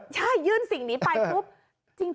ใช่ยื่นสิ่งนี้ไปปุ๊บ